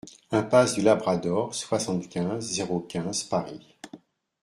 Impasse du Labrador, soixante-quinze, zéro quinze Paris